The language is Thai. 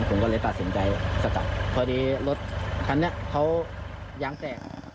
ผมก็เลยตัดสินใจสกัดพอดีรถคันนี้เขาย้างแสง